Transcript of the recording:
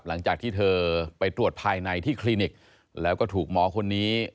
หลังจากที่เธอไปตรวจภายในที่คลินิกแล้วก็ถูกหมอคนนี้